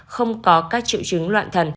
không có các triệu chứng loạn thần